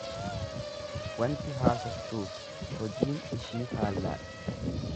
Wanti haasoftuufi hojiin ishii faallaadha.